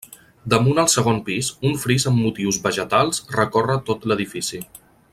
Damunt el segon pis, un fris amb motius vegetals recorre tot l'edifici.